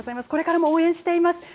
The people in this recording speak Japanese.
これからも応援しています。